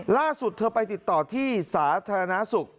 ล่าสุดเธอไปติดต่อที่สาธารณสุข